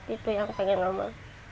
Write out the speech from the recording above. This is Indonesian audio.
itu yang pengen omang